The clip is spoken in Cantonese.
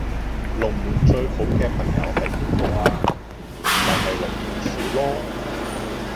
龍門最好既朋友係邊個呀？咪係龍門柱囉